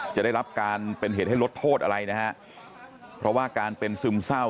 จะได้รับการเป็นเหตุให้ลดโทษอะไรนะฮะเพราะว่าการเป็นซึมเศร้า